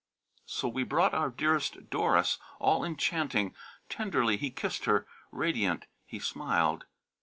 So we brought our dearest, Doris all enchanting; Tenderly he kissed her; radiant he smiled.